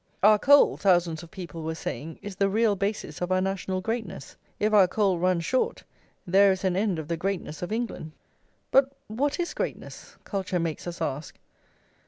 Our coal, thousands of people were saying, is the real basis of our national greatness; if our coal runs short, there is an end of the greatness of England. But what is greatness? culture makes us ask.